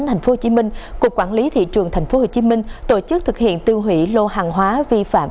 tp hcm cục quản lý thị trường tp hcm tổ chức thực hiện tiêu hủy lô hàng hóa vi phạm